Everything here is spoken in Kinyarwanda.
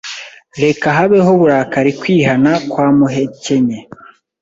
Reka habeho uburakari kwihana kwamuhekenye